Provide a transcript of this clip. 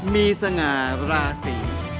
มีสง่าราศี